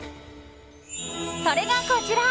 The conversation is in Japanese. それが、こちら。